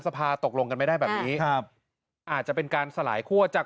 ตกลงกันไม่ได้แบบนี้ครับอาจจะเป็นการสลายคั่วจาก